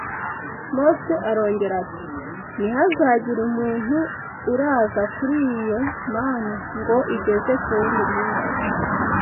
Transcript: Mose arongera ati ‘ntihazagire umuntu uraza kuri iyo manu ngo igeze ku wundi munsi.’